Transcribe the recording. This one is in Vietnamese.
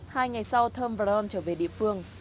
hai ngày sau thơm và ron trở về địa phương